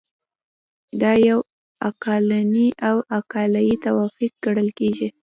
دا یو عقلاني او عقلایي توافق ګڼل کیږي.